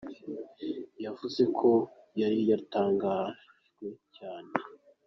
Yavuze ko yari yatangajwe cyane.